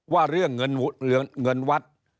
ว่าเรื่องเงินวัด